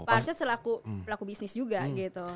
kan pahasnya selaku pelaku bisnis juga gitu